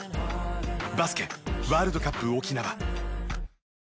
バスケワールドカップ沖縄。